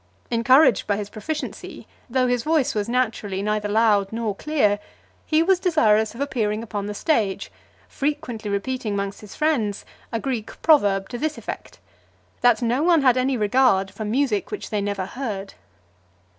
Encouraged by his proficiency, though his voice was naturally neither loud nor clear, he was desirous of appearing upon the stage, frequently repeating amongst his friends a Greek proverb to this effect: "that no one had any regard for music which they never heard."